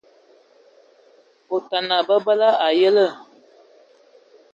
Otana, babǝla a ayǝlə.